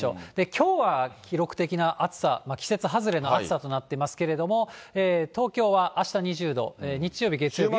きょうは記録的な暑さ、季節外れの暑さとなっていますけれども、東京はあした２０度、日曜、月曜日は。